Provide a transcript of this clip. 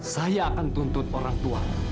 saya akan tuntut orang tua